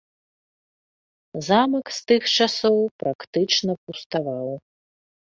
Замак з тых часоў практычна пуставаў.